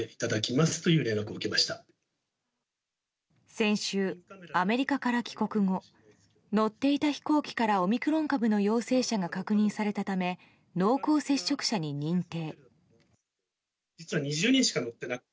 先週、アメリカから帰国後乗っていた飛行機からオミクロン株の陽性者が確認されたため濃厚接触者に認定。